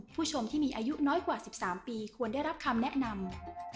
ผู้ชมที่มีอายุน้อยกว่า๑๓ปีควรได้รับคำแนะนำ